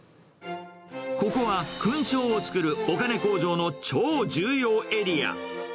ここは勲章をつくるお金工場の超重要エリア。